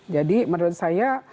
jadi menurut saya